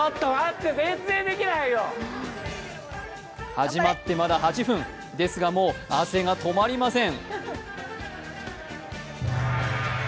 始まってまだ８分、ですがもう汗が止まりません。